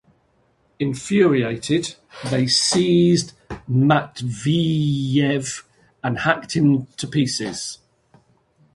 Infuriated, they seized Matveyev and hacked him to pieces.